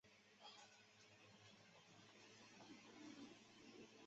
匈牙利的纯金币从此被称为达克特。